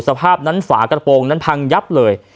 สภาพนั้นฝากระโปรงนั้นพังยับเลย